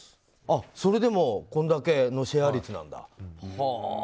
それでもこれだけのシェア率なんだ。